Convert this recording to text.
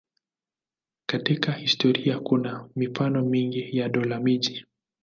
Katika historia kuna mifano mingi ya dola-miji.